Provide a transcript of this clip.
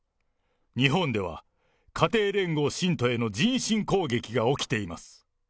日本では家庭連合信徒への人身攻撃が起きています。